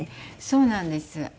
そうなんです。